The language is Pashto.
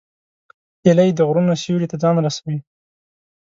هیلۍ د غرونو سیوري ته ځان رسوي